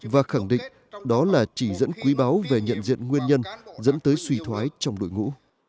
và khẳng định đó là chỉ dẫn quý báu về nhận diện nguyên nhân dẫn tới suy thoái trong đội ngũ